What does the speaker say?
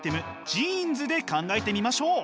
ジーンズで考えてみましょう。